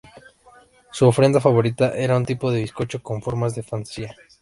Su ofrenda favorita era un tipo de bizcocho con formas de fantasía.